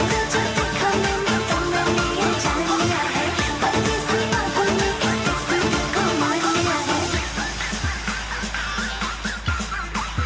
kepo itu adalah kreatif rasional dan sistematis